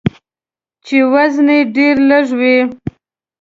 چې وزن یې ډیر لږوي.